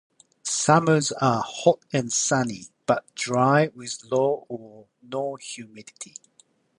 Summers are hot and sunny, but dry, with low or no humidity.